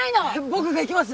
僕が行きます！